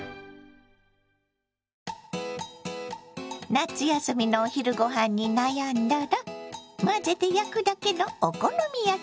夏休みのお昼ごはんに悩んだら混ぜて焼くだけのお好み焼きはいかが？